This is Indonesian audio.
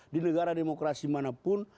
di negara demokrasi manapun